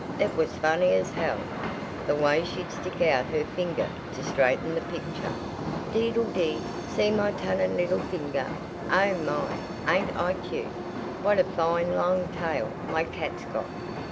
It was funny as hell the way she'd stick out her finger to straighten the picture deedle dee, see my tunnin' 'ittle finger, oh my, ain't I cute, what a fine long tail my cat's got!"